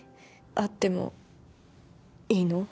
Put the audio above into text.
あってもいいの？